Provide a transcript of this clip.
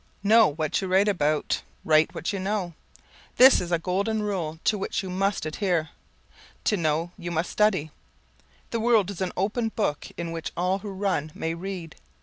Know what you write about, write about what you know; this is a golden rule to which you must adhere. To know you must study. The world is an open book in which all who run may read.